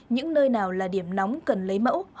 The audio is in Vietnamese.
những nơi nào là điểm nóng cần lấy mẫu